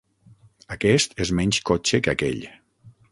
Aquest és menys cotxe que aquell.